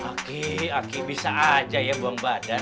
aki aki bisa aja ya buang badan